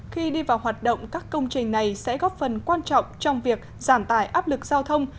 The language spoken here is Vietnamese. khi đi vào hoạt động các công trình này sẽ góp phần quan trọng trong việc giảm tài áp lực giao thông